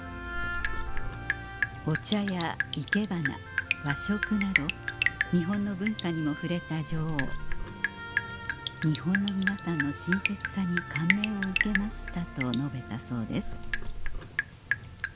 お茶や生け花和食など日本の文化にも触れた女王「日本の皆さんの親切さに感銘を受けました」と述べたそうです